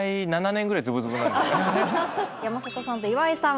山里さんと岩井さん